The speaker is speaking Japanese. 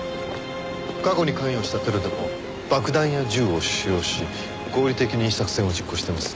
過去に関与したテロでも爆弾や銃を使用し合理的に作戦を実行しています。